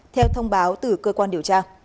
theo thông báo từ cơ quan điều tra